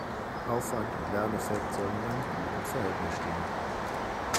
Aufwand und Lerneffekt sollen in einem guten Verhältnis stehen.